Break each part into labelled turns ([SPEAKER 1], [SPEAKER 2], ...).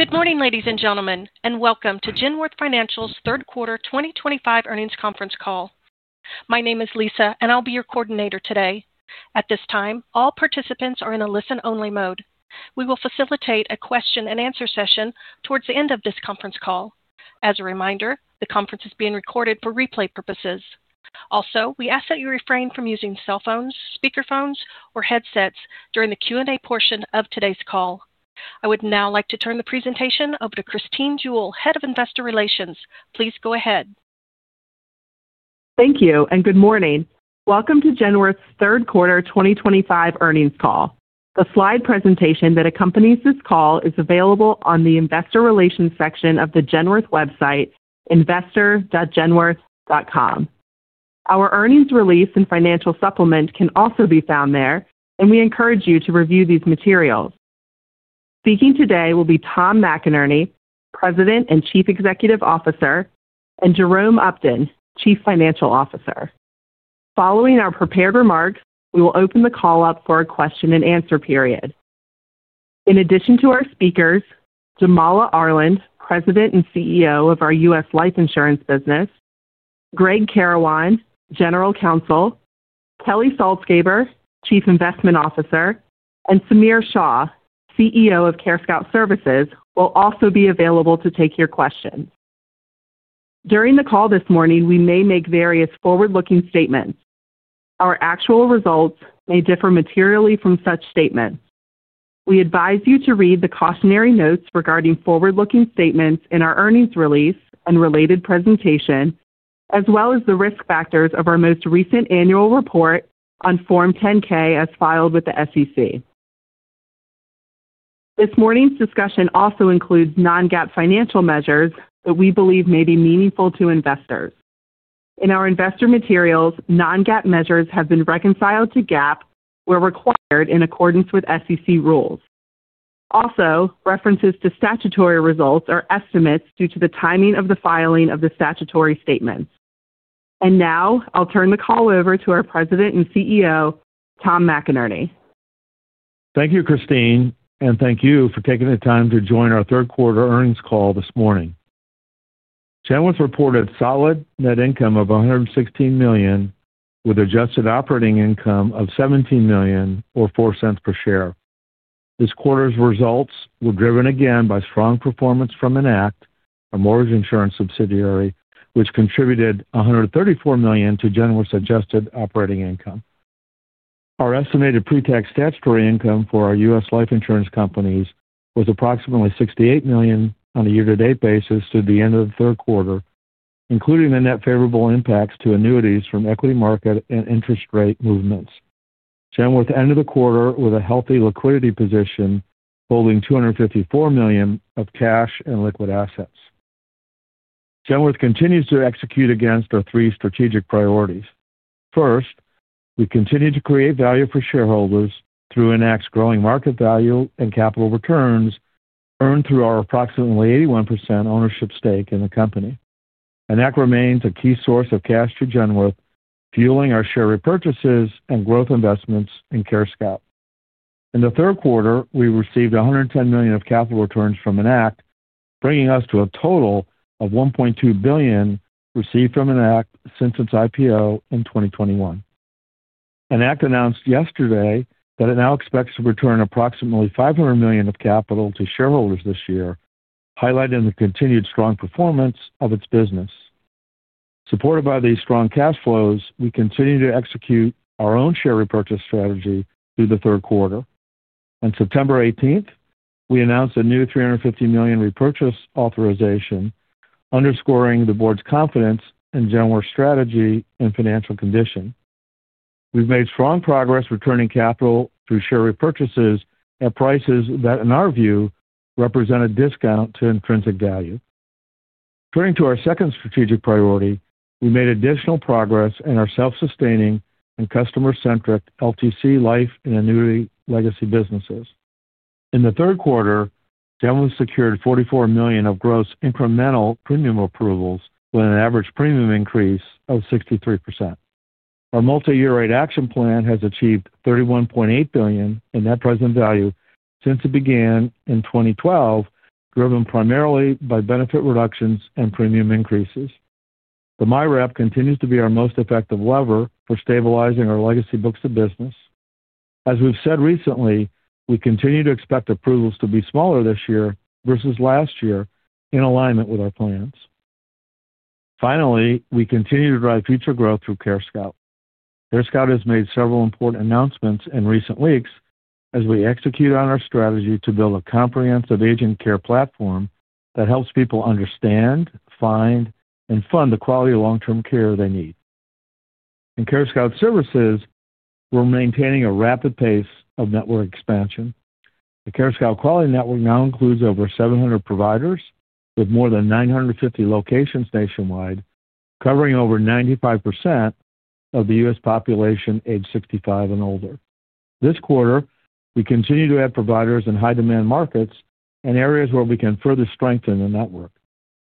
[SPEAKER 1] Good morning, ladies and gentlemen, and welcome to Genworth Financial, Inc.'s Third Quarter 2025 earnings conference call. My name is Lisa, and I'll be your coordinator today. At this time, all participants are in a listen-only mode. We will facilitate a question-and-answer session towards the end of this conference call. As a reminder, the conference is being recorded for replay purposes. Also, we ask that you refrain from using cell phones, speakerphones, or headsets during the Q&A portion of today's call. I would now like to turn the presentation over to Christine Jewell, Head of Investor Relations. Please go ahead.
[SPEAKER 2] Thank you, and good morning. Welcome to Genworth's Third Quarter 2025 earnings call. The slide presentation that accompanies this call is available on the Investor Relations section of the Genworth website, investor.genworth.com. Our earnings release and financial supplement can also be found there, and we encourage you to review these materials. Speaking today will be Tom McInerney, President and Chief Executive Officer, and Jerome Upton, Chief Financial Officer. Following our prepared remarks, we will open the call up for a question-and-answer period. In addition to our speakers, Jamala Arland, President and CEO of our U.S. life insurance business, Gregg Karawan, General Counsel, Kelly Salzgeber, Chief Investment Officer, and Samir Shah, CEO of CareScout Services, will also be available to take your questions. During the call this morning, we may make various forward-looking statements. Our actual results may differ materially from such statements. We advise you to read the cautionary notes regarding forward-looking statements in our earnings release and related presentation, as well as the risk factors of our most recent annual report on Form 10-K as filed with the SEC. This morning's discussion also includes non-GAAP financial measures that we believe may be meaningful to investors. In our investor materials, non-GAAP measures have been reconciled to GAAP where required in accordance with SEC rules. Also, references to statutory results are estimates due to the timing of the filing of the statutory statements. Now, I'll turn the call over to our President and CEO, Tom McInerney.
[SPEAKER 3] Thank you, Christine, and thank you for taking the time to join our third quarter earnings call this morning. Genworth reported solid net income of $116 million, with adjusted operating income of $17 million, or $0.04 per share. This quarter's results were driven again by strong performance from Enact, our mortgage insurance subsidiary, which contributed $134 million to Genworth's adjusted operating income. Our estimated pre-tax statutory income for our U.S. life insurance companies was approximately $68 million on a year-to-date basis through the end of the third quarter, including the net favorable impacts to annuities from equity market and interest rate movements. Genworth ended the quarter with a healthy liquidity position, holding $254 million of cash and liquid assets. Genworth continues to execute against our three strategic priorities. First, we continue to create value for shareholders through Enact's growing market value and capital returns earned through our approximately 81% ownership stake in the company. Enact remains a key source of cash to Genworth, fueling our share repurchases and growth investments in CareScout. In the third quarter, we received $110 million of capital returns from Enact, bringing us to a total of $1.2 billion received from Enact since its IPO in 2021. Enact announced yesterday that it now expects to return approximately $500 million of capital to shareholders this year, highlighting the continued strong performance of its business. Supported by these strong cash flows, we continue to execute our own share repurchase strategy through the third quarter. On September 18th, we announced a new $350 million repurchase authorization, underscoring the board's confidence in Genworth's strategy and financial condition. We've made strong progress returning capital through share repurchases at prices that, in our view, represent a discount to intrinsic value. Turning to our second strategic priority, we made additional progress in our self-sustaining and customer-centric LTC life and annuity legacy businesses. In the third quarter, Genworth secured $44 million of gross incremental premium approvals with an average premium increase of 63%. Our multi-year rate action plan has achieved $31.8 billion in net present value since it began in 2012, driven primarily by benefit reductions and premium increases. The MIRAP continues to be our most effective lever for stabilizing our legacy books of business. As we've said recently, we continue to expect approvals to be smaller this year versus last year in alignment with our plans. Finally, we continue to drive future growth through CareScout. CareScout has made several important announcements in recent weeks as we execute on our strategy to build a comprehensive agent care platform that helps people understand, find, and fund the quality long-term care they need. In CareScout services, we're maintaining a rapid pace of network expansion. The CareScout Quality Network now includes over 700 providers with more than 950 locations nationwide, covering over 95% of the U.S. population aged 65 and older. This quarter, we continue to add providers in high-demand markets and areas where we can further strengthen the network.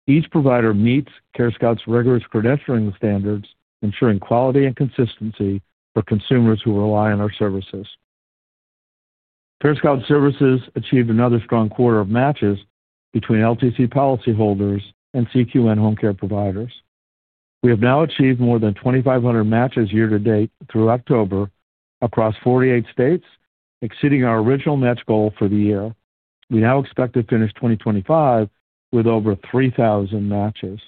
[SPEAKER 3] Each provider meets CareScout's rigorous credentialing standards, ensuring quality and consistency for consumers who rely on our services. CareScout services achieved another strong quarter of matches between LTC policyholders and CQN home care providers. We have now achieved more than 2,500 matches year-to-date through October across 48 states, exceeding our original match goal for the year. We now expect to finish 2025 with over 3,000 matches.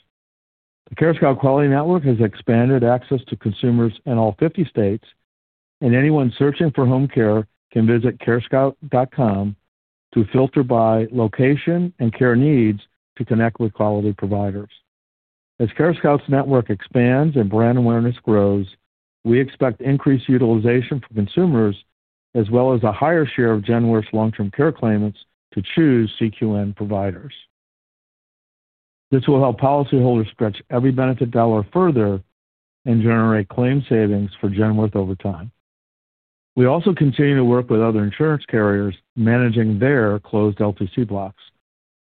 [SPEAKER 3] The CareScout Quality Network has expanded access to consumers in all 50 states, and anyone searching for home care can visit carescout.com to filter by location and care needs to connect with quality providers. As CareScout's network expands and brand awareness grows, we expect increased utilization for consumers, as well as a higher share of Genworth's long-term care claimants to choose CQN providers. This will help policyholders stretch every benefit dollar further and generate claim savings for Genworth over time. We also continue to work with other insurance carriers, managing their closed LTC blocks.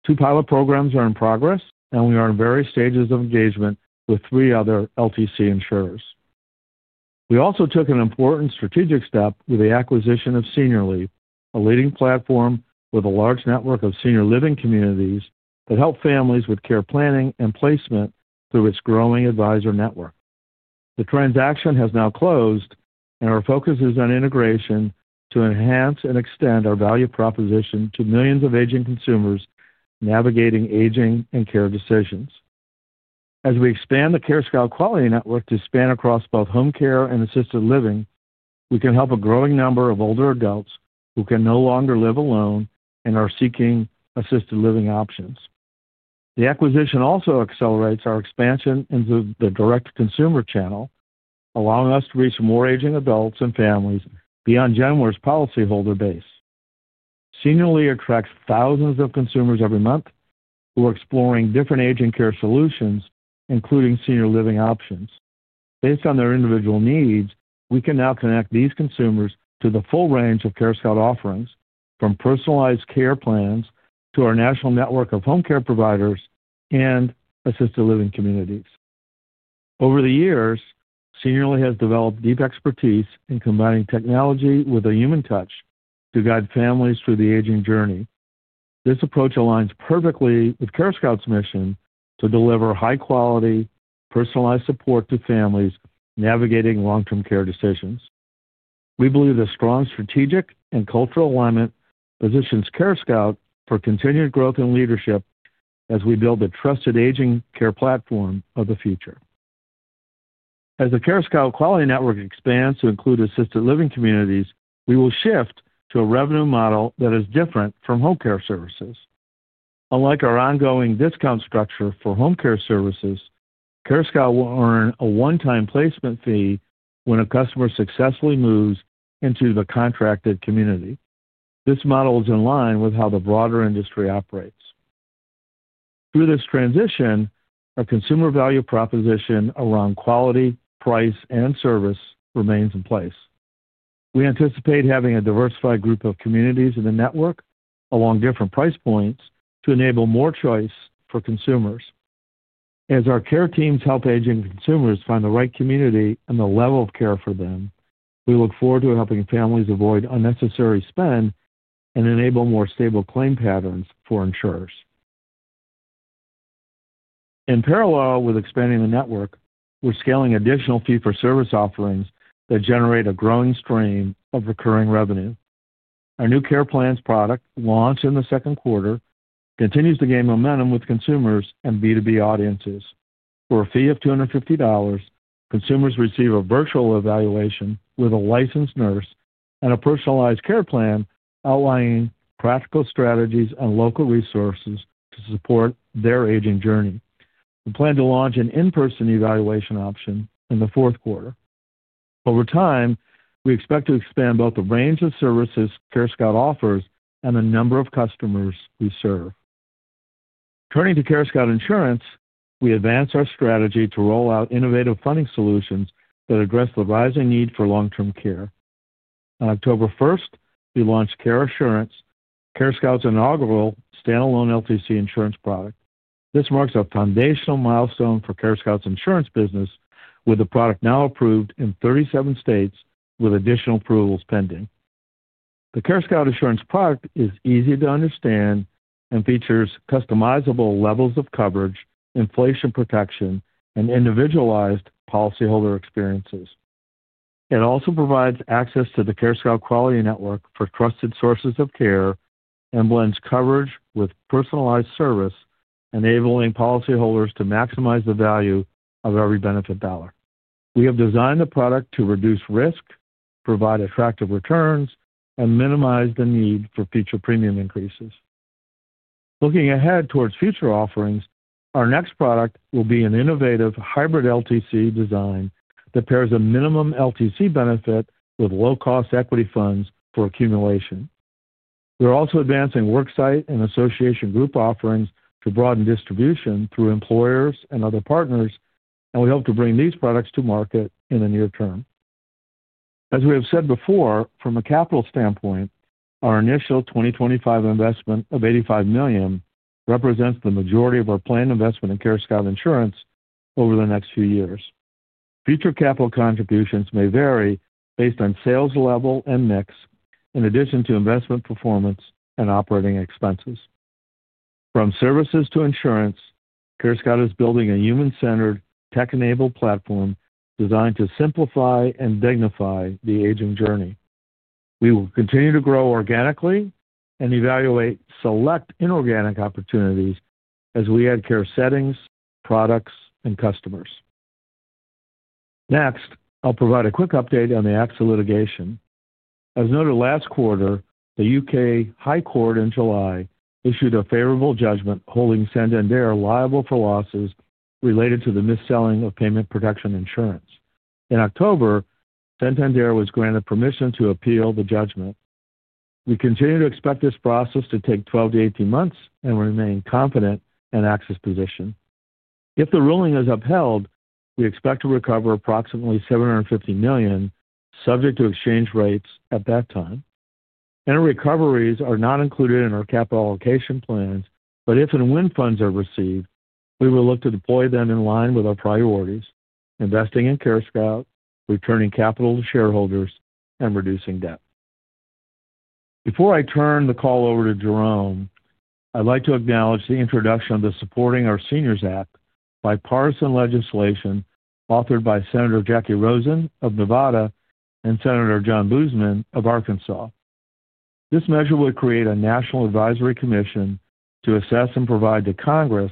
[SPEAKER 3] Two pilot programs are in progress, and we are in various stages of engagement with three other LTC insurers. We also took an important strategic step with the acquisition of Seniorly, a leading platform with a large network of senior living communities that help families with care planning and placement through its growing advisor network. The transaction has now closed, and our focus is on integration to enhance and extend our value proposition to millions of aging consumers navigating aging and care decisions. As we expand the CareScout Quality Network to span across both home care and assisted living, we can help a growing number of older adults who can no longer live alone and are seeking assisted living options. The acquisition also accelerates our expansion into the direct consumer channel, allowing us to reach more aging adults and families beyond Genworth's policyholder base. Seniorly attracts thousands of consumers every month who are exploring different aging care solutions, including senior living options. Based on their individual needs, we can now connect these consumers to the full range of CareScout offerings, from personalized care plans to our national network of home care providers and assisted living communities. Over the years, Seniorly has developed deep expertise in combining technology with a human touch to guide families through the aging journey. This approach aligns perfectly with CareScout's mission to deliver high-quality, personalized support to families navigating long-term care decisions. We believe the strong strategic and cultural alignment positions CareScout for continued growth and leadership as we build the trusted aging care platform of the future. As the CareScout Quality Network expands to include assisted living communities, we will shift to a revenue model that is different from home care services. Unlike our ongoing discount structure for home care services, CareScout will earn a one-time placement fee when a customer successfully moves into the contracted community. This model is in line with how the broader industry operates. Through this transition, our consumer value proposition around quality, price, and service remains in place. We anticipate having a diversified group of communities in the network along different price points to enable more choice for consumers. As our care teams help aging consumers find the right community and the level of care for them, we look forward to helping families avoid unnecessary spend and enable more stable claim patterns for insurers. In parallel with expanding the network, we're scaling additional fee-for-service offerings that generate a growing stream of recurring revenue. Our new Care Plans product, launched in the second quarter, continues to gain momentum with consumers and B2B audiences. For a fee of $250, consumers receive a virtual evaluation with a licensed nurse and a personalized care plan outlining practical strategies and local resources to support their aging journey. We plan to launch an in-person evaluation option in the fourth quarter. Over time, we expect to expand both the range of services CareScout offers and the number of customers we serve. Turning to CareScout Insurance, we advance our strategy to roll out innovative funding solutions that address the rising need for long-term care. On October 1st, we launched CareScout Assurance, CareScout's inaugural standalone LTC insurance product. This marks a foundational milestone for CareScout's insurance business, with the product now approved in 37 states, with additional approvals pending. The CareScout Assurance product is easy to understand and features customizable levels of coverage, inflation protection, and individualized policyholder experiences. It also provides access to the CareScout Quality Network for trusted sources of care and blends coverage with personalized service, enabling policyholders to maximize the value of every benefit dollar. We have designed the product to reduce risk, provide attractive returns, and minimize the need for future premium increases. Looking ahead towards future offerings, our next product will be an innovative hybrid LTC design that pairs a minimum LTC benefit with low-cost equity funds for accumulation. We're also advancing worksite and association group offerings to broaden distribution through employers and other partners, and we hope to bring these products to market in the near term. As we have said before, from a capital standpoint, our initial 2025 investment of $85 million represents the majority of our planned investment in CareScout Insurance over the next few years. Future capital contributions may vary based on sales level and mix, in addition to investment performance and operating expenses. From services to insurance, CareScout is building a human-centered, tech-enabled platform designed to simplify and dignify the aging journey. We will continue to grow organically and evaluate select inorganic opportunities as we add care settings, products, and customers. Next, I'll provide a quick update on the acts of litigation. As noted last quarter, the U.K. High Court in July issued a favorable judgment, holding Santander liable for losses related to the mis-selling of payment protection insurance. In October, Santander was granted permission to appeal the judgment. We continue to expect this process to take 12-18 months and remain confident in AXA's position. If the ruling is upheld, we expect to recover approximately $750 million, subject to exchange rates at that time. Any recoveries are not included in our capital allocation plans, but if and when funds are received, we will look to deploy them in line with our priorities, investing in CareScout, returning capital to shareholders, and reducing debt. Before I turn the call over to Jerome, I'd like to acknowledge the introduction of the Supporting Our Seniors Act bipartisan legislation authored by Senator Jacky Rosen of Nevada and Senator John Boozman of Arkansas. This measure will create a national advisory commission to assess and provide to Congress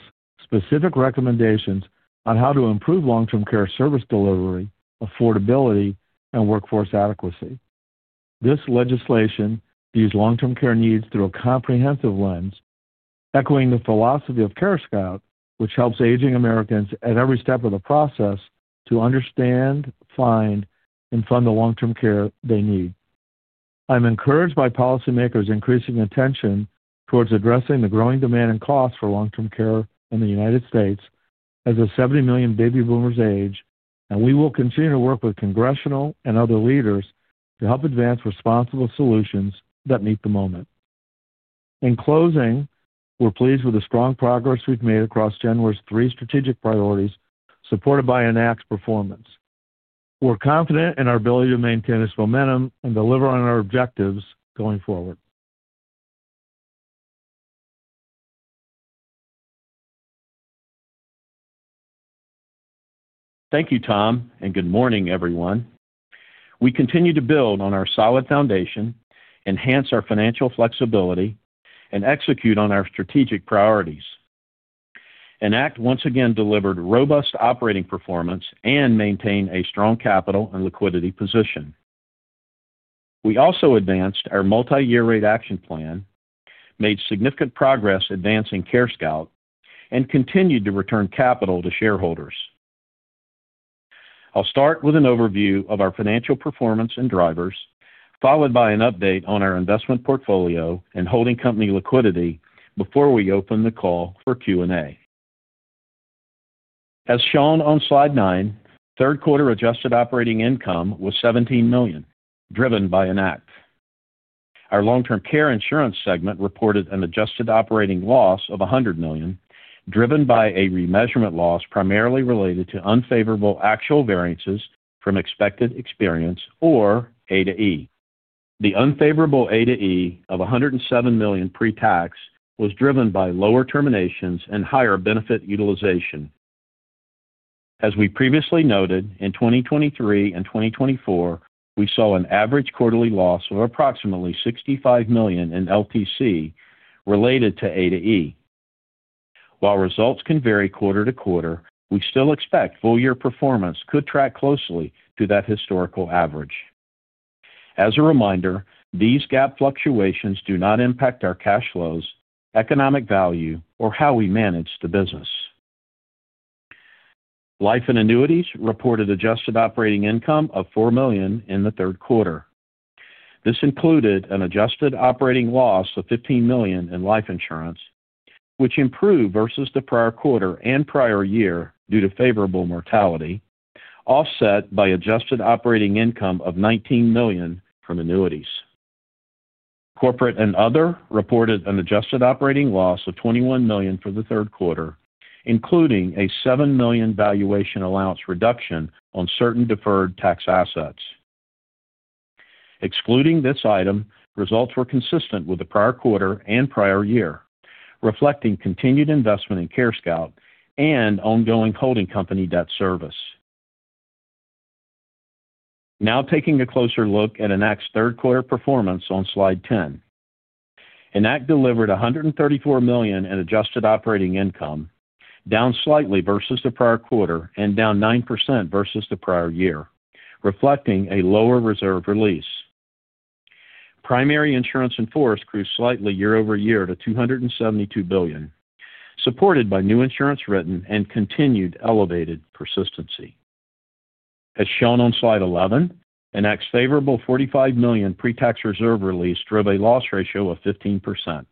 [SPEAKER 3] specific recommendations on how to improve long-term care service delivery, affordability, and workforce adequacy. This legislation views long-term care needs through a comprehensive lens, echoing the philosophy of CareScout, which helps aging Americans at every step of the process to understand, find, and fund the long-term care they need. I'm encouraged by policymakers' increasing attention towards addressing the growing demand and cost for long-term care in the United States as the 70 million baby boomers age, and we will continue to work with congressional and other leaders to help advance responsible solutions that meet the moment. In closing, we're pleased with the strong progress we've made across Genworth's three strategic priorities, supported by Enact's performance. We're confident in our ability to maintain this momentum and deliver on our objectives going forward.
[SPEAKER 4] Thank you, Tom, and good morning, everyone. We continue to build on our solid foundation, enhance our financial flexibility, and execute on our strategic priorities. Enact once again delivered robust operating performance and maintained a strong capital and liquidity position. We also advanced our multi-year rate action plan, made significant progress advancing CareScout, and continued to return capital to shareholders. I'll start with an overview of our financial performance and drivers, followed by an update on our investment portfolio and holding company liquidity before we open the call for Q&A. As shown on slide nine, third quarter adjusted operating income was $17 million, driven by Enact. Our long-term care insurance segment reported an adjusted operating loss of $100 million, driven by a remeasurement loss primarily related to unfavorable actual variances from expected experience or A/E. The unfavorable A/E of $107 million pre-tax was driven by lower terminations and higher benefit utilization. As we previously noted, in 2023 and 2024, we saw an average quarterly loss of approximately $65 million in LTC related to A/E. While results can vary quarter-to-quarter, we still expect full-year performance could track closely to that historical average. As a reminder, these GAAP fluctuations do not impact our cash flows, economic value, or how we manage the business. Life and annuities reported adjusted operating income of $4 million in the third quarter. This included an adjusted operating loss of $15 million in life insurance, which improved versus the prior quarter and prior year due to favorable mortality, offset by adjusted operating income of $19 million from annuities. Corporate and other reported an adjusted operating loss of $21 million for the third quarter, including a $7 million valuation allowance reduction on certain deferred tax assets. Excluding this item, results were consistent with the prior quarter and prior year, reflecting continued investment in CareScout and ongoing holding company debt service. Now taking a closer look at Enact's third quarter performance on slide 10. Enact delivered $134 million in adjusted operating income, down slightly versus the prior quarter and down 9% versus the prior year, reflecting a lower reserve release. Primary insurance in force grew slightly year-over-year to $272 billion, supported by new insurance written and continued elevated persistency. As shown on slide 11, Enact's favorable $45 million pre-tax reserve release drove a loss ratio of 15%.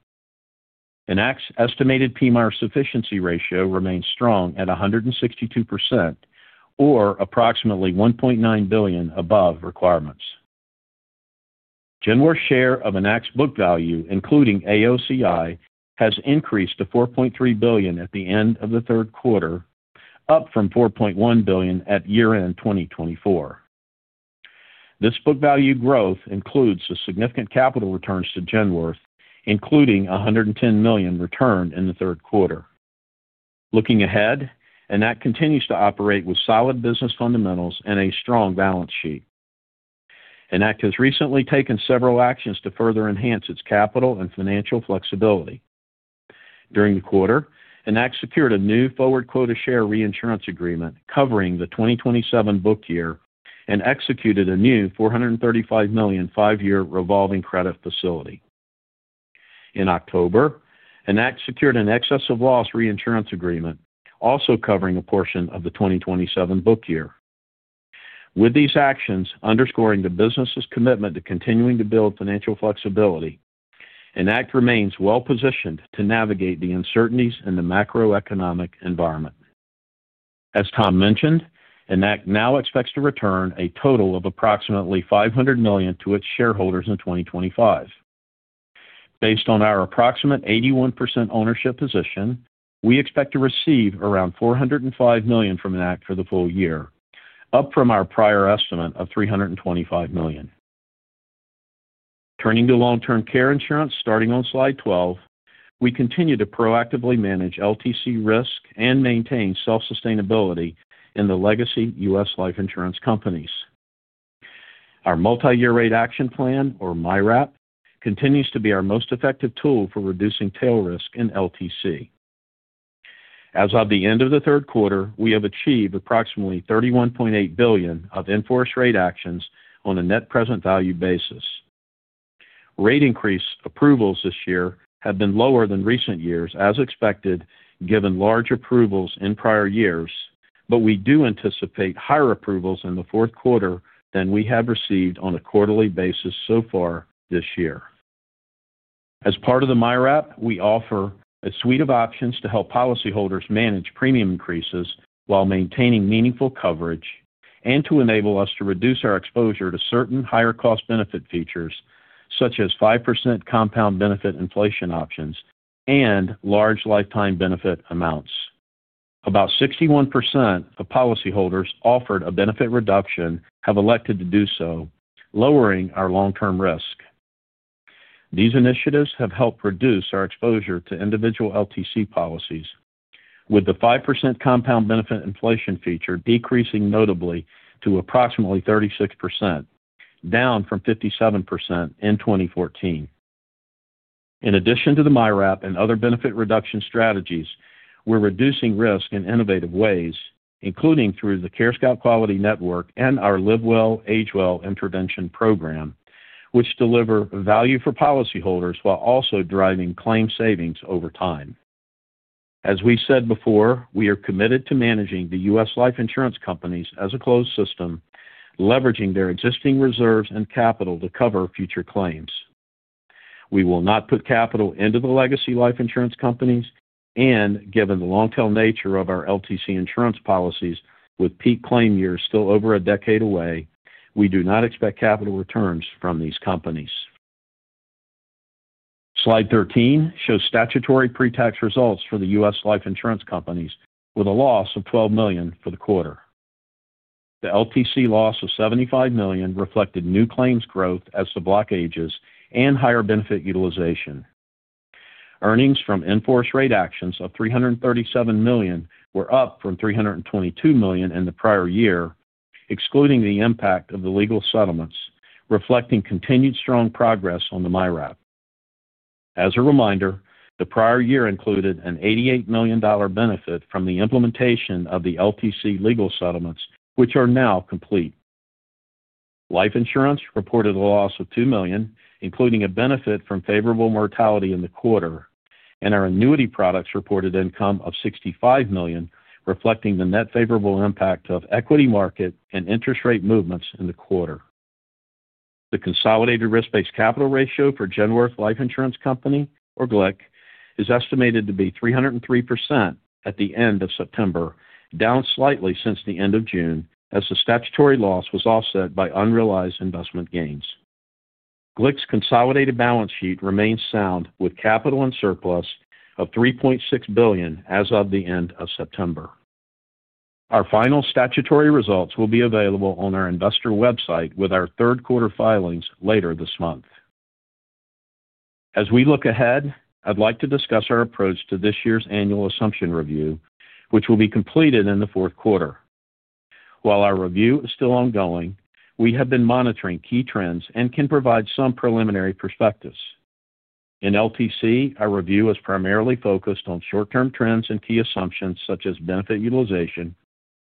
[SPEAKER 4] Enact's estimated PMIERs sufficiency ratio remained strong at 162%, or approximately $1.9 billion above requirements. Genworth's share of Enact's book value, including AOCI, has increased to $4.3 billion at the end of the third quarter, up from $4.1 billion at year-end 2024. This book value growth includes the significant capital returns to Genworth, including a $110 million return in the third quarter. Looking ahead, Enact continues to operate with solid business fundamentals and a strong balance sheet. Enact has recently taken several actions to further enhance its capital and financial flexibility. During the quarter, Enact secured a new forward quota share reinsurance agreement covering the 2027 book year and executed a new $435 million five-year revolving credit facility. In October, Enact secured an excess of loss reinsurance agreement, also covering a portion of the 2027 book year. With these actions underscoring the business's commitment to continuing to build financial flexibility, Enact remains well-positioned to navigate the uncertainties in the macroeconomic environment. As Tom mentioned, Enact now expects to return a total of approximately $500 million to its shareholders in 2025. Based on our approximate 81% ownership position, we expect to receive around $405 million from Enact for the full year, up from our prior estimate of $325 million. Turning to long-term care insurance, starting on slide 12, we continue to proactively manage LTC risk and maintain self-sustainability in the legacy U.S. life insurance companies. Our multi-year rate action plan, or MIRAP, continues to be our most effective tool for reducing tail risk in LTC. As of the end of the third quarter, we have achieved approximately $31.8 billion of in-force rate actions on a net present value basis. Rate increase approvals this year have been lower than recent years, as expected, given large approvals in prior years, but we do anticipate higher approvals in the fourth quarter than we have received on a quarterly basis so far this year. As part of the MIRAP, we offer a suite of options to help policyholders manage premium increases while maintaining meaningful coverage and to enable us to reduce our exposure to certain higher cost-benefit features, such as 5% compound benefit inflation options and large lifetime benefit amounts. About 61% of policyholders offered a benefit reduction have elected to do so, lowering our long-term risk. These initiatives have helped reduce our exposure to individual LTC policies, with the 5% compound benefit inflation feature decreasing notably to approximately 36%, down from 57% in 2014. In addition to the MIRAP and other benefit reduction strategies, we're reducing risk in innovative ways, including through the CareScout Quality Network and our Live Well, Age Well Intervention Program, which deliver value for policyholders while also driving claim savings over time. As we said before, we are committed to managing the U.S. life insurance companies as a closed system, leveraging their existing reserves and capital to cover future claims. We will not put capital into the legacy life insurance companies, and given the long-tail nature of our LTC insurance policies, with peak claim years still over a decade away, we do not expect capital returns from these companies. Slide 13 shows statutory pre-tax results for the U.S. Life insurance companies, with a loss of $12 million for the quarter. The LTC loss of $75 million reflected new claims growth as the block ages and higher benefit utilization. Earnings from in-force rate actions of $337 million were up from $322 million in the prior year, excluding the impact of the legal settlements, reflecting continued strong progress on the MIRAP. As a reminder, the prior year included an $88 million benefit from the implementation of the LTC legal settlements, which are now complete. Life insurance reported a loss of $2 million, including a benefit from favorable mortality in the quarter, and our annuity products reported income of $65 million, reflecting the net favorable impact of equity market and interest rate movements in the quarter. The consolidated risk-based capital ratio for Genworth Life Insurance Company, or GLIC, is estimated to be 303% at the end of September, down slightly since the end of June, as the statutory loss was offset by unrealized investment gains. GLIC's consolidated balance sheet remains sound, with capital and surplus of $3.6 billion as of the end of September. Our final statutory results will be available on our investor website with our third quarter filings later this month. As we look ahead, I'd like to discuss our approach to this year's annual assumption review, which will be completed in the fourth quarter. While our review is still ongoing, we have been monitoring key trends and can provide some preliminary perspectives. In LTC, our review is primarily focused on short-term trends and key assumptions such as benefit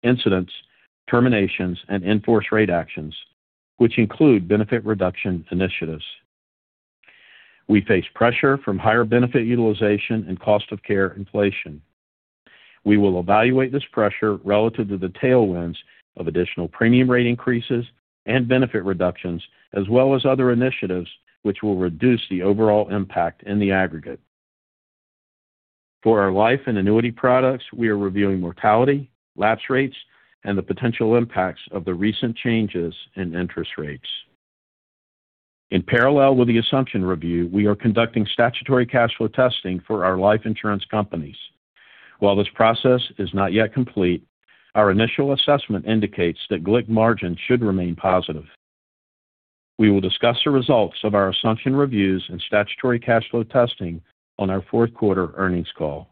[SPEAKER 4] utilization, incidents, terminations, and in-force rate actions, which include benefit reduction initiatives. We face pressure from higher benefit utilization and cost of care inflation. We will evaluate this pressure relative to the tailwinds of additional premium rate increases and benefit reductions, as well as other initiatives which will reduce the overall impact in the aggregate. For our life and annuity products, we are reviewing mortality, lapse rates, and the potential impacts of the recent changes in interest rates. In parallel with the assumption review, we are conducting statutory cash flow testing for our life insurance companies. While this process is not yet complete, our initial assessment indicates that GLIC margins should remain positive. We will discuss the results of our assumption reviews and statutory cash flow testing on our fourth quarter earnings call.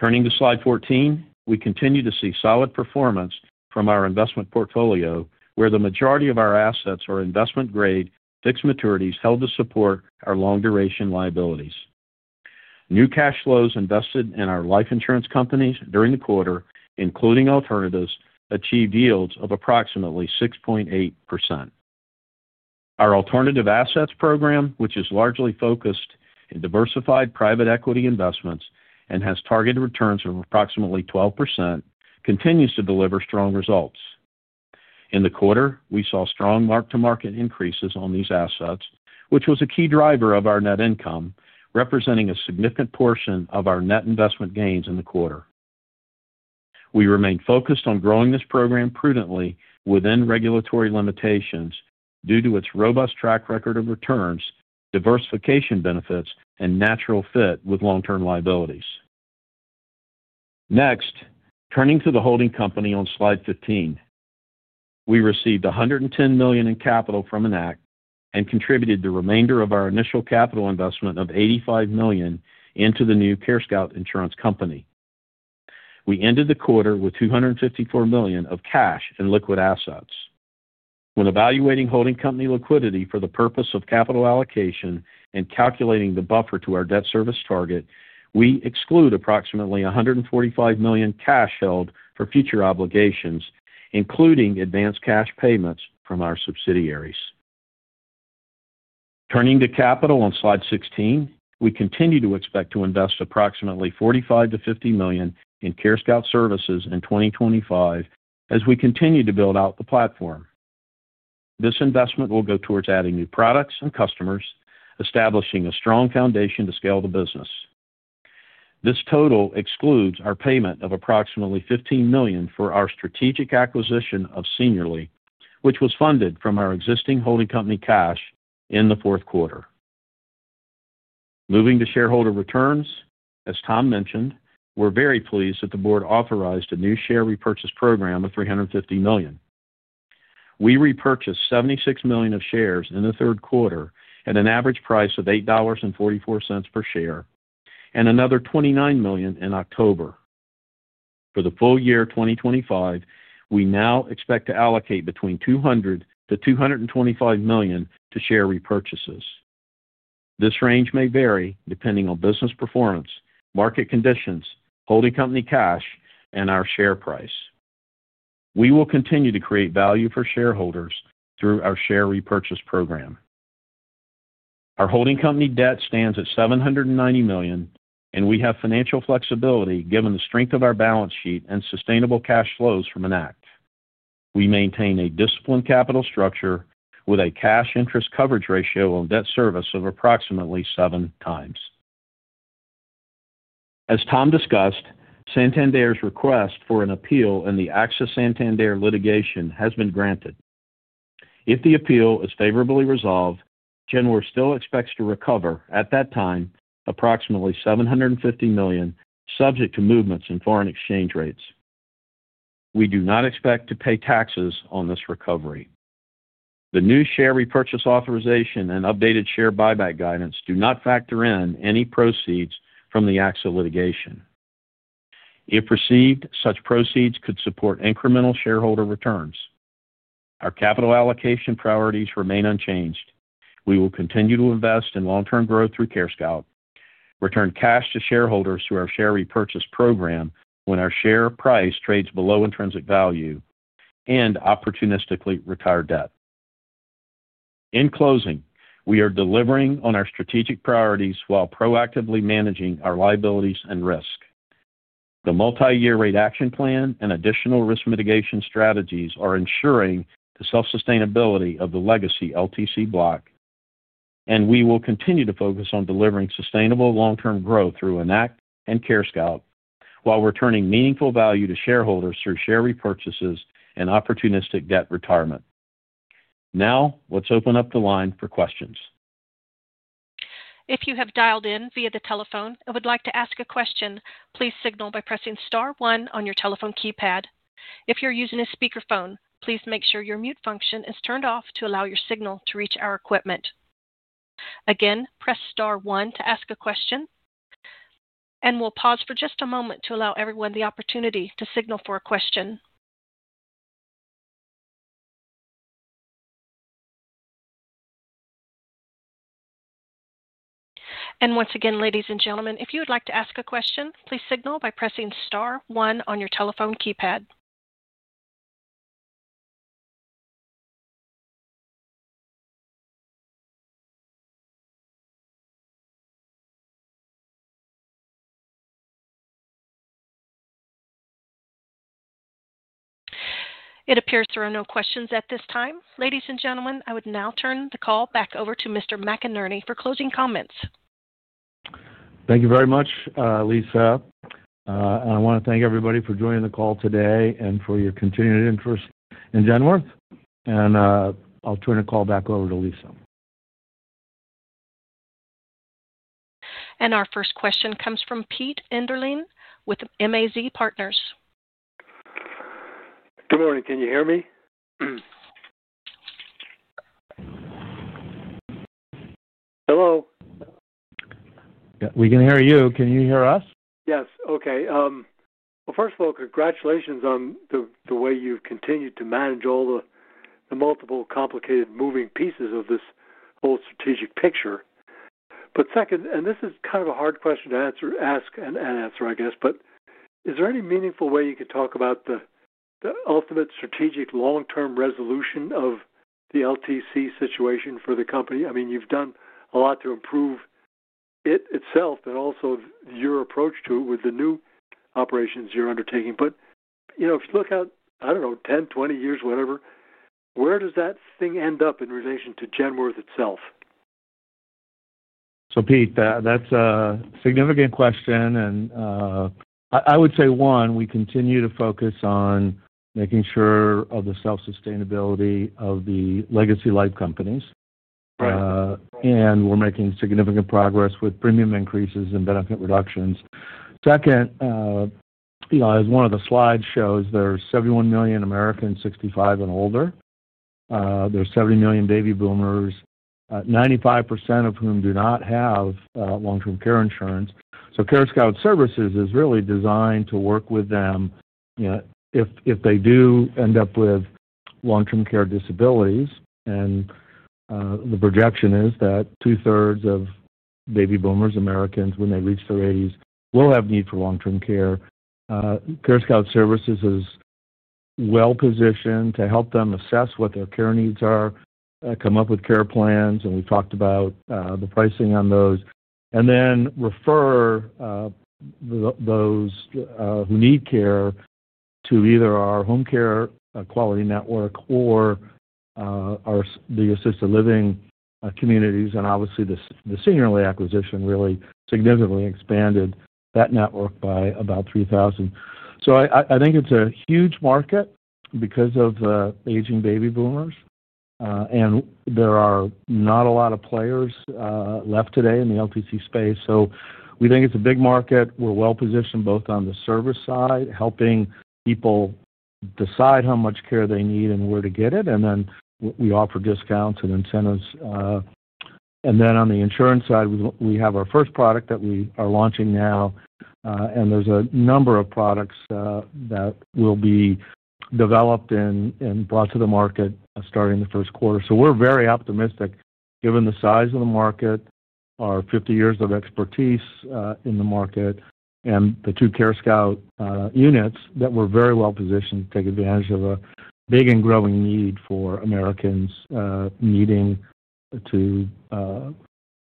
[SPEAKER 4] Turning to slide 14, we continue to see solid performance from our investment portfolio, where the majority of our assets are investment-grade fixed maturities held to support our long-duration liabilities. New cash flows invested in our life insurance companies during the quarter, including alternatives, achieved yields of approximately 6.8%. Our alternative assets program, which is largely focused on diversified private equity investments and has targeted returns of approximately 12%, continues to deliver strong results. In the quarter, we saw strong mark-to-market increases on these assets, which was a key driver of our net income, representing a significant portion of our net investment gains in the quarter. We remain focused on growing this program prudently within regulatory limitations due to its robust track record of returns, diversification benefits, and natural fit with long-term liabilities. Next, turning to the holding company on slide 15. We received $110 million in capital from Enact and contributed the remainder of our initial capital investment of $85 million into the new CareScout Insurance Company. We ended the quarter with $254 million of cash and liquid assets. When evaluating holding company liquidity for the purpose of capital allocation and calculating the buffer to our debt service target, we exclude approximately $145 million cash held for future obligations, including advance cash payments from our subsidiaries. Turning to capital on slide 16, we continue to expect to invest approximately $45-$50 million in CareScout services in 2025 as we continue to build out the platform. This investment will go towards adding new products and customers, establishing a strong foundation to scale the business. This total excludes our payment of approximately $15 million for our strategic acquisition of Seniorly, which was funded from our existing holding company cash in the fourth quarter. Moving to shareholder returns, as Tom mentioned, we're very pleased that the board authorized a new share repurchase program of $350 million. We repurchased $76 million of shares in the third quarter at an average price of $8.44 per share and another $29 million in October. For the full year 2025, we now expect to allocate between $200-$225 million to share repurchases. This range may vary depending on business performance, market conditions, holding company cash, and our share price. We will continue to create value for shareholders through our share repurchase program. Our holding company debt stands at $790 million, and we have financial flexibility given the strength of our balance sheet and sustainable cash flows from an ACT. We maintain a disciplined capital structure with a cash-interest coverage ratio on debt service of approximately seven times. As Tom discussed, Santander's request for an appeal in the AXA–Santander litigation has been granted. If the appeal is favorably resolved, Genworth still expects to recover at that time approximately $750 million, subject to movements in foreign exchange rates. We do not expect to pay taxes on this recovery. The new share repurchase authorization and updated share buyback guidance do not factor in any proceeds from the AXA litigation. If received, such proceeds could support incremental shareholder returns. Our capital allocation priorities remain unchanged. We will continue to invest in long-term growth through CareScout, return cash to shareholders through our share repurchase program when our share price trades below intrinsic value, and opportunistically retire debt. In closing, we are delivering on our strategic priorities while proactively managing our liabilities and risk. The multi-year rate action plan and additional risk mitigation strategies are ensuring the self-sustainability of the legacy LTC block. We will continue to focus on delivering sustainable long-term growth through Enact and CareScout while returning meaningful value to shareholders through share repurchases and opportunistic debt retirement. Now, let's open up the line for questions.
[SPEAKER 1] If you have dialed in via the telephone and would like to ask a question, please signal by pressing Star one on your telephone keypad. If you're using a speakerphone, please make sure your mute function is turned off to allow your signal to reach our equipment. Again, press Star one to ask a question. We'll pause for just a moment to allow everyone the opportunity to signal for a question. Once again, ladies and gentlemen, if you would like to ask a question, please signal by pressing Star one on your telephone keypad. It appears there are no questions at this time. Ladies and gentlemen, I would now turn the call back over to Mr. McInerney for closing comments.
[SPEAKER 3] Thank you very much, Lisa. I want to thank everybody for joining the call today and for your continued interest in Genworth. I'll turn the call back over to Lisa.
[SPEAKER 1] Our first question comes from Pete Enderlein with MAZ Partners.
[SPEAKER 5] Good morning. Can you hear me? Hello?
[SPEAKER 3] Yeah, we can hear you. Can you hear us?
[SPEAKER 5] Yes. Okay. First of all, congratulations on the way you've continued to manage all the multiple complicated moving pieces of this whole strategic picture. Second, and this is kind of a hard question to ask and answer, I guess, but is there any meaningful way you could talk about the ultimate strategic long-term resolution of the LTC situation for the company? I mean, you've done a lot to improve it itself and also your approach to it with the new operations you're undertaking. If you look out, I don't know, 10, 20 years, whatever, where does that thing end up in relation to Genworth itself?
[SPEAKER 3] Pete, that's a significant question. I would say, one, we continue to focus on making sure of the self-sustainability of the legacy life companies. We're making significant progress with premium increases and benefit reductions. Second, as one of the slides shows, there are 71 million Americans 65 and older. There are 70 million baby boomers, 95% of whom do not have long-term care insurance. CareScout Services is really designed to work with them if they do end up with long-term care disabilities. The projection is that two-thirds of baby boomers Americans, when they reach their 80s, will have need for long-term care. CareScout Services is well-positioned to help them assess what their care needs are, come up with care plans, and we have talked about the pricing on those, and then refer those who need care to either our home care quality network or the assisted living communities. Obviously, the Seniorly acquisition really significantly expanded that network by about 3,000. I think it is a huge market because of the aging baby boomers. There are not a lot of players left today in the LTC space. We think it is a big market. We are well-positioned both on the service side, helping people. Decide how much care they need and where to get it. We offer discounts and incentives. On the insurance side, we have our first product that we are launching now. There are a number of products that will be developed and brought to the market starting the first quarter. We are very optimistic given the size of the market, our 50 years of expertise in the market, and the two CareScout units that we are very well-positioned to take advantage of a big and growing need for Americans needing to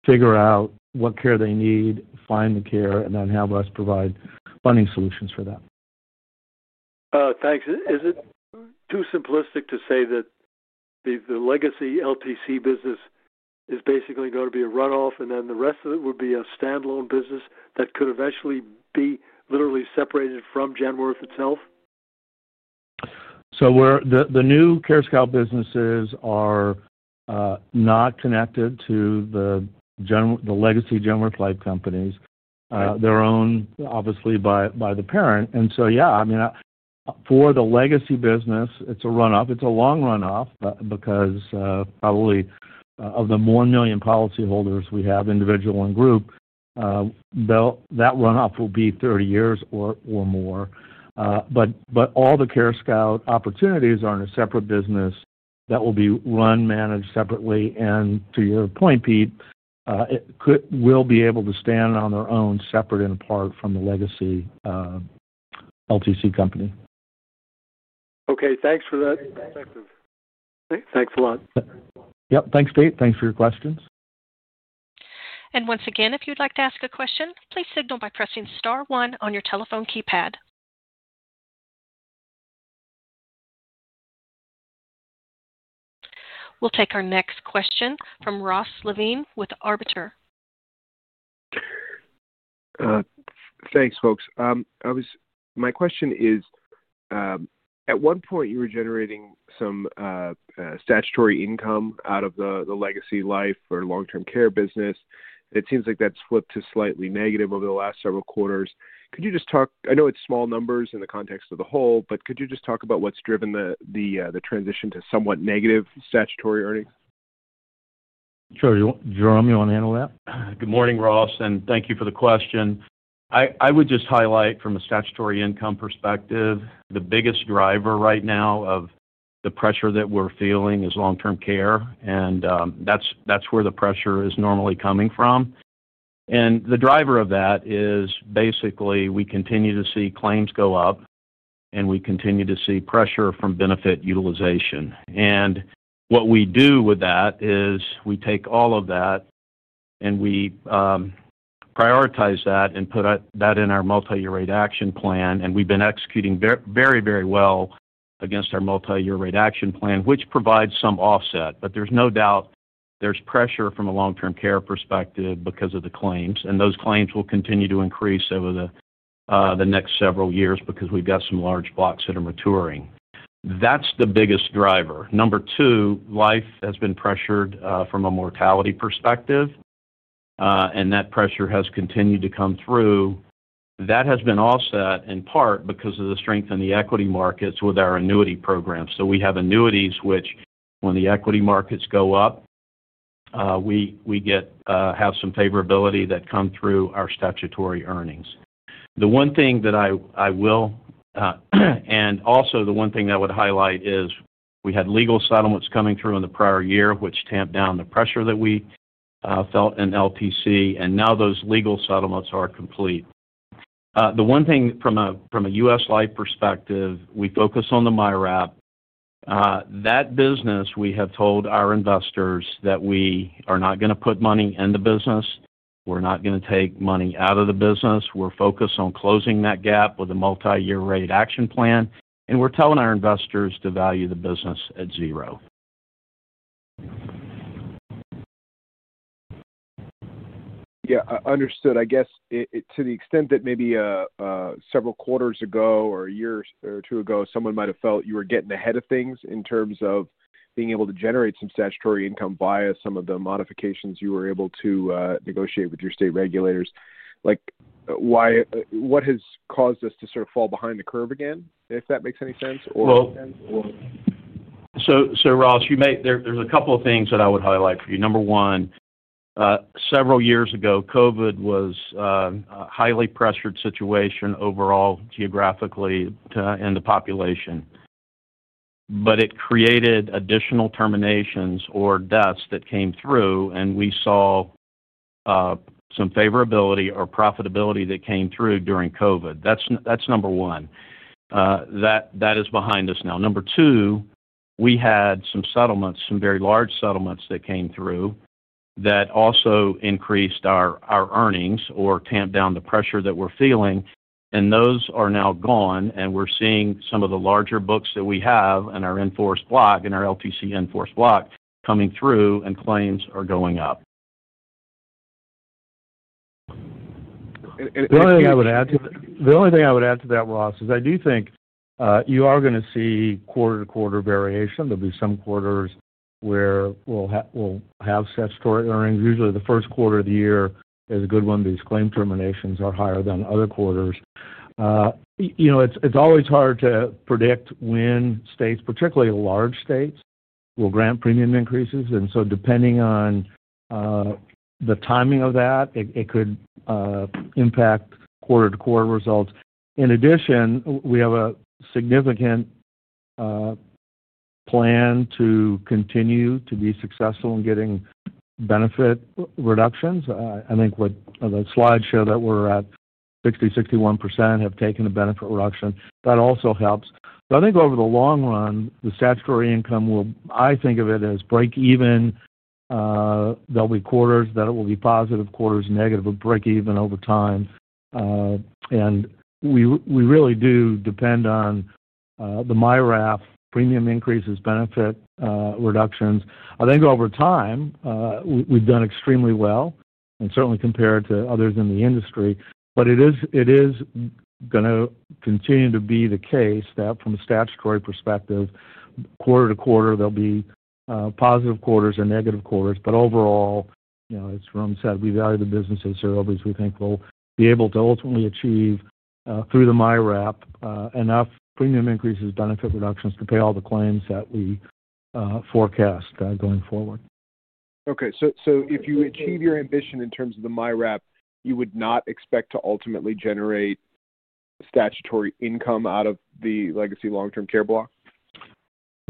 [SPEAKER 3] figure out what care they need, find the care, and then have us provide funding solutions for that.
[SPEAKER 5] Thanks. Is it too simplistic to say that the legacy LTC business is basically going to be a run-off and then the rest of it would be a standalone business that could eventually be literally separated from Genworth itself?
[SPEAKER 3] The new CareScout businesses are not connected to the legacy Genworth life companies. They are owned, obviously, by the parent. For the legacy business, it's a run-off. It's a long run-off because probably of the 1 million policyholders we have, individual and group, that run-off will be 30 years or more. All the CareScout opportunities are in a separate business that will be run, managed separately. To your point, Pete, they will be able to stand on their own, separate and apart from the legacy LTC company.
[SPEAKER 5] Okay. Thanks for that. Thanks a lot. Yep.
[SPEAKER 3] Thanks, Pete. Thanks for your questions.
[SPEAKER 1] Once again, if you'd like to ask a question, please signal by pressing Star one on your telephone keypad. We'll take our next question from Ross Levine with Arbiter.
[SPEAKER 6] Thanks, folks. My question is, at one point, you were generating some. Statutory income out of the legacy life or long-term care business. It seems like that's flipped to slightly negative over the last several quarters. Could you just talk—I know it's small numbers in the context of the whole—but could you just talk about what's driven the transition to somewhat negative statutory earnings? Sure. Jerome, you want to handle that?
[SPEAKER 4] Good morning, Ross. And thank you for the question. I would just highlight, from a statutory income perspective, the biggest driver right now of the pressure that we're feeling is long-term care. That's where the pressure is normally coming from. The driver of that is basically we continue to see claims go up, and we continue to see pressure from benefit utilization. What we do with that is we take all of that. We prioritize that and put that in our multi-year rate action plan. We have been executing very, very well against our multi-year rate action plan, which provides some offset. There is no doubt there is pressure from a long-term care perspective because of the claims. Those claims will continue to increase over the next several years because we have some large blocks that are maturing. That is the biggest driver. Number two, life has been pressured from a mortality perspective. That pressure has continued to come through. That has been offset in part because of the strength in the equity markets with our annuity program. We have annuities which, when the equity markets go up, we have some favorability that comes through our statutory earnings. The one thing that I will, and also the one thing that I would highlight, is we had legal settlements coming through in the prior year, which tamped down the pressure that we felt in LTC. Now those legal settlements are complete. The one thing from a U.S. life perspective, we focus on the MIRAP. That business, we have told our investors that we are not going to put money in the business. We're not going to take money out of the business. We're focused on closing that gap with a multi-year rate action plan. We're telling our investors to value the business at zero.
[SPEAKER 6] Yeah. Understood. I guess to the extent that maybe several quarters ago or a year or two ago, someone might have felt you were getting ahead of things in terms of being able to generate some statutory income via some of the modifications you were able to negotiate with your state regulators. What has caused us to sort of fall behind the curve again, if that makes any sense?
[SPEAKER 4] Ross, there are a couple of things that I would highlight for you. Number one. Several years ago, COVID-19 was a highly pressured situation overall geographically in the population. It created additional terminations or deaths that came through. We saw some favorability or profitability that came through during COVID-19. That is number one. That is behind us now. Number two, we had some settlements, some very large settlements that came through. That also increased our earnings or tamped down the pressure that we are feeling. Those are now gone. We are seeing some of the larger books that we have in our in-force block, in our LTC in-force block, coming through, and claims are going up.
[SPEAKER 3] The only thing I would add to that, Ross, is I do think you are going to see quarter-to-quarter variation. There'll be some quarters where we'll have statutory earnings. Usually, the first quarter of the year is a good one because claim terminations are higher than other quarters. It's always hard to predict when states, particularly large states, will grant premium increases. Depending on the timing of that, it could impact quarter-to-quarter results. In addition, we have a significant plan to continue to be successful in getting benefit reductions. I think the slides show that we're at 60%-61% have taken a benefit reduction. That also helps. I think over the long run, the statutory income will—I think of it as break-even. There'll be quarters that it will be positive, quarters negative, but break-even over time. We really do depend on the MIRAP premium increases, benefit reductions. I think over time, we've done extremely well and certainly compared to others in the industry. It is going to continue to be the case that from a statutory perspective, quarter-to-quarter, there will be positive quarters and negative quarters. Overall, as Jerome said, we value the business as they are always—we think we will be able to ultimately achieve through the MIRAP enough premium increases, benefit reductions to pay all the claims that we forecast going forward. Okay. If you achieve your ambition in terms of the MIRAP, you would not expect to ultimately generate statutory income out of the legacy long-term care block?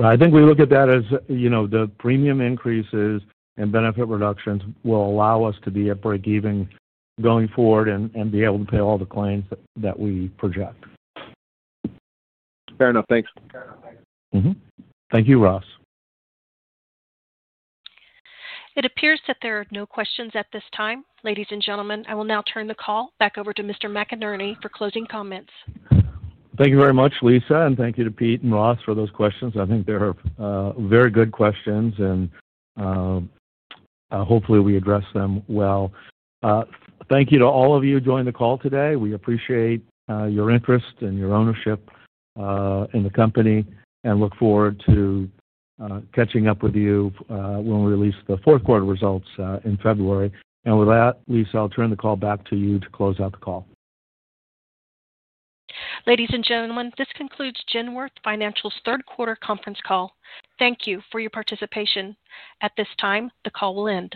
[SPEAKER 3] I think we look at that as the premium increases and benefit reductions will allow us to be at break-even going forward and be able to pay all the claims that we project.
[SPEAKER 6] Fair enough. Thanks.
[SPEAKER 3] Thank you, Ross.
[SPEAKER 1] It appears that there are no questions at this time, ladies and gentlemen. I will now turn the call back over to Mr.
[SPEAKER 3] Thank you very much, Lisa. Thank you to Pete and Ross for those questions. I think they're very good questions. Hopefully, we address them well. Thank you to all of you joining the call today. We appreciate your interest and your ownership in the company and look forward to catching up with you when we release the fourth quarter results in February. With that, Lisa, I'll turn the call back to you to close out the call. Ladies and gentlemen, this concludes Genworth Financial's third quarter conference call. Thank you for your participation. At this time, the call will end.